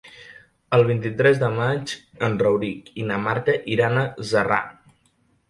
El vint-i-tres de maig en Rauric i na Marta iran a Zarra.